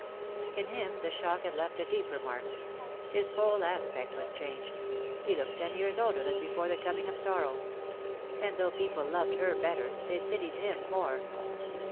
In him the shock had left a deeper mark. His whole aspect was changed He looked ten years older than before the coming of sorrow ; and though people loved her better, they pitied him more.